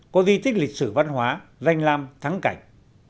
có di tích lịch sử văn hóa danh lam thắng cảnh